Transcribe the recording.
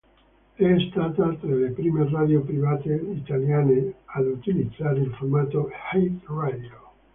È stata tra le prime radio private italiane ad utilizzare il formato "hit radio".